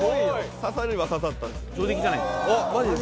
刺さるは刺さったんです。